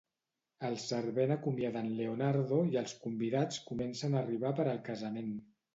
El servent acomiada en Leonardo i els convidats comencen a arribar per al casament.